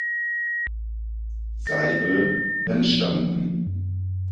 Seibel" entstanden.